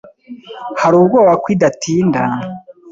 Hari ubwoba ko idatinda